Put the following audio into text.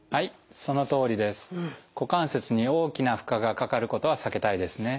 股関節に大きな負荷がかかることは避けたいですね。